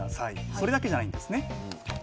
それだけじゃないんですね。